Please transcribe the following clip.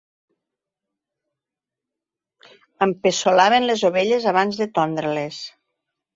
Empeçolaven les ovelles abans de tondre-les.